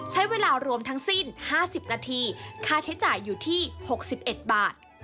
ใช้เวลารวมทั้งสิ้น๕๐นาทีค่าใช้จ่ายอยู่ที่๖๑บาท